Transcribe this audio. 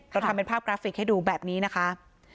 เราทำเป็นภาพกราฟิกให้ดูแบบนี้นะคะ